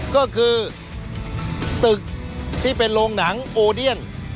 ก็คือตึกที่เป็นโรงหนังโอเดียน